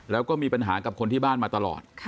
แล้วก็มีปัญหากับคนที่บ้านมาตลอด